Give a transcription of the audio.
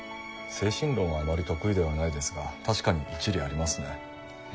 精神論はあまり得意ではないですが確かに一理ありますね。